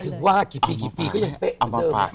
ถึงว่ากี่ปีกี่ปีก็ยังไปเอามาฝาก